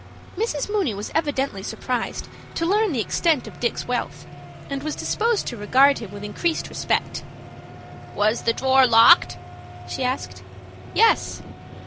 Mrs. Mooney was evidently surprised to learn the extent of Dick's wealth, and was disposed to regard him with increased respect. "Was the drawer locked?" she asked. "Yes."